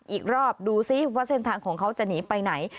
อีกรอบดูซิว่าเส้นทางของเขาจะหนีไปไหน